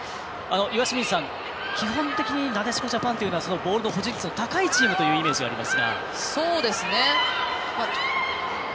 岩清水さん、基本的になでしこジャパンというのはボールの保持率の高いチームというイメージがあります。